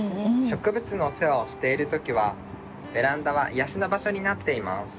植物のお世話をしている時はベランダは癒やしの場所になっています。